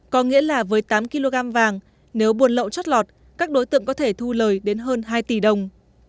có nghĩa là với tám kg vàng nếu buôn lậu chót lọt các đối tượng có thể thu lời đến hơn hai tỷ đồng